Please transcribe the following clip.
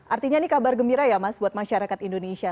artinya ini kabar gembira ya mas buat masyarakat indonesia